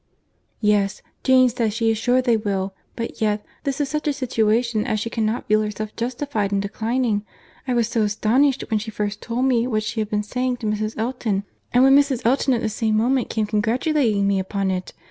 "Yes; Jane says she is sure they will; but yet, this is such a situation as she cannot feel herself justified in declining. I was so astonished when she first told me what she had been saying to Mrs. Elton, and when Mrs. Elton at the same moment came congratulating me upon it!